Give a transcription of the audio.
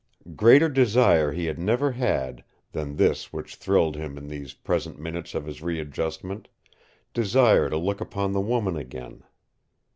Greater desire he had never had than this which thrilled him in these present minutes of his readjustment desire to look upon the woman again.